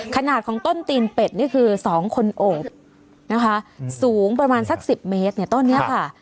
ขนาดของต้นตีนเป็ดนี่คือ๒คนโอบนะคะสูงประมาณสัก๑๐เมตรเนี่ยต้นนี้ค่ะ